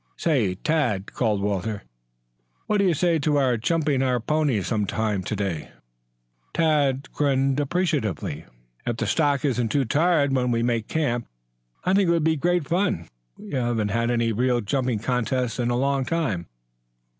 "Say, Tad," called Walter, "what do you say to our jumping our ponies some time to day?" Tad grinned appreciatively. "If the stock isn't too tired when we make camp, I think it would be great fun. We haven't had any real jumping contests in a long time."